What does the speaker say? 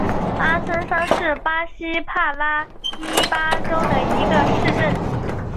阿孙桑是巴西帕拉伊巴州的一个市镇。